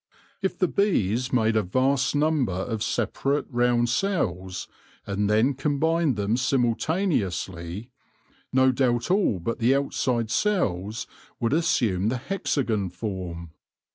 If the bees made a vast number of separate, round cells, and then combined them simultaneously, no doubt all but the outside cells would assume the hexagon form.